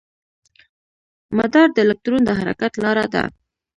مدار د الکترون د حرکت لاره ده.